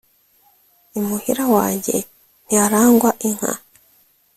imuhira wanjye ntiharangwa inka